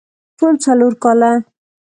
ټول څلور کاله